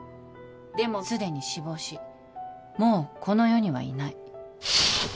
でもすでに死亡しもうこの世にはいない。